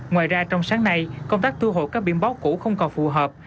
ngoài ra trong sáng nay công tác thu hồi các biển báo cũ không còn phù hợp